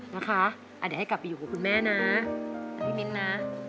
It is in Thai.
นะคะเดี๋ยวให้กลับไปอยู่กับคุณแม่นะพี่มิ้นนะ